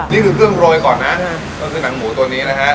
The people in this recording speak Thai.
นี่คือเครื่องโรยก่อนนะก็คือหนังหมูตัวนี้นะฮะ